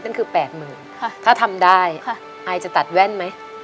นั่นคือ๘๐๐๐ถ้าทำได้ไอจะตัดแว่นไหม